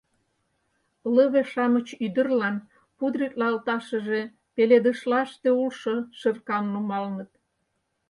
Лыве-шамыч ӱдырлан пудритлалташыже пеледышлаште улшо шыркам нумалыныт.